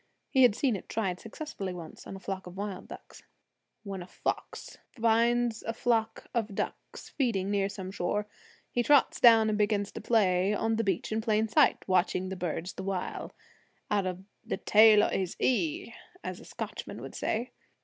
He had seen it tried successfully once on a flock of wild ducks. When a fox finds a flock of ducks feeding near shore, he trots down and begins to play on the beach in plain sight, watching the birds the while out of the "tail o' his ee," as a Scotchman would say.